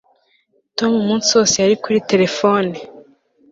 Tom umunsi wose yari kuri terefone